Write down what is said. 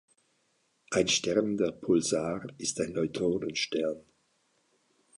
Ein Stern, der Pulsar, ist ein Neutronenstern.